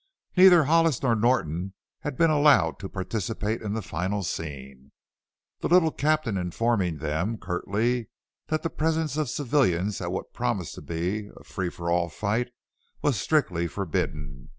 Neither Hollis or Norton had been allowed to participate in the final scene, the little captain informing them curtly that the presence of civilians at what promised to be a free for all fight was strictly forbidden.